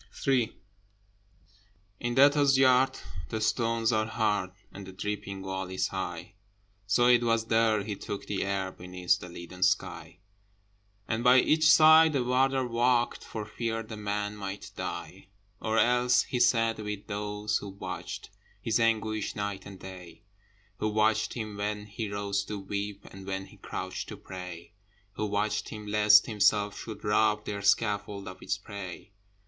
III In Debtors' Yard the stones are hard, And the dripping wall is high, So it was there he took the air Beneath the leaden sky, And by each side a Warder walked, For fear the man might die. Or else he sat with those who watched His anguish night and day; Who watched him when he rose to weep, And when he crouched to pray; Who watched him lest himself should rob Their scaffold of its prey.